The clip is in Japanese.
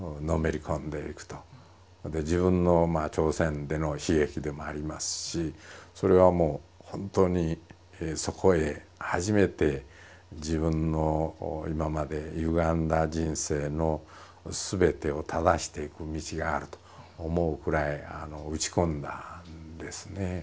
自分の朝鮮での悲劇でもありますしそれはもう本当にそこへ初めて自分の今までゆがんだ人生の全てを正していく道があると思うくらい打ち込んだんですね。